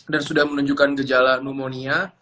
dan sudah menunjukkan gejala pneumonia